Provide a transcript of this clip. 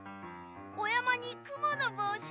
おやまにくものぼうし！